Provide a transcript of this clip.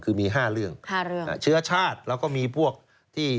คือมี๕เรื่อง๕เรื่องเชื้อชาติแล้วก็มีพวกที่